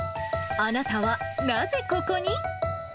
あなたはなぜここに？